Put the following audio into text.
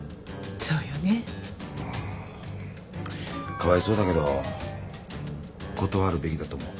かわいそうだけど断るべきだと思う。